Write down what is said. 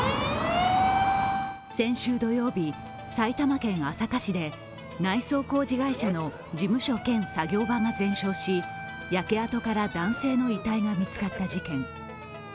先週土曜日、埼玉県朝霞市で内装工事会社の事務所兼作業場が全焼し焼け跡から男性の遺体が見つかった事件。